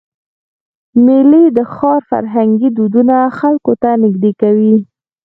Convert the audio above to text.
میلې د ښار فرهنګي دودونه خلکو ته نږدې کوي.